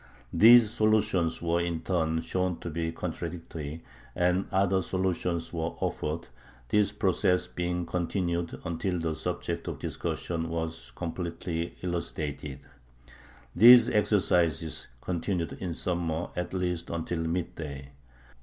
These solutions were, in turn, shown to be contradictory, and other solutions were offered, this process being continued until the subject of discussion was completely elucidated. These exercises continued in summer at least until midday.